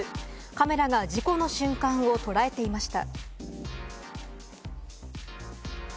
カメラが事故の瞬間を捉えていました。